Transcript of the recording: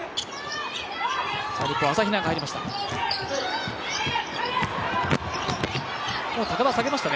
日本、朝比奈が入りました。